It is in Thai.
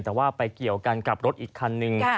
แต่ว่าไปเกี่ยวกันกับรถอีกคันนึง